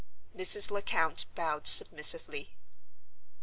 Mrs. Lecount bowed submissively.